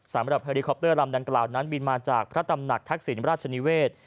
เฮลิคอปเตอร์ลำดังกล่าวนั้นบินมาจากพระตำหนักทักษิณราชนิเวศ